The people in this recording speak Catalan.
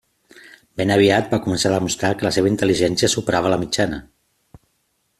Ben aviat va començar a demostrar que la seva intel·ligència superava la mitjana.